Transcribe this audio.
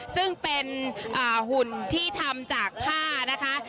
ซึ่งเป็นหุ่นที่ทำจากผ้านะคะ